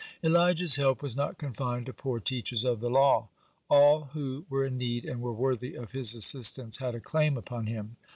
(54) Elijah's help was not confined to poor teachers of the law; all who were in need, and were worthy of his assistance, had a claim upon him.